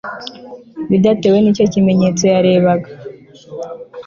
bidatewe n'icyo kimenyetso yarebaga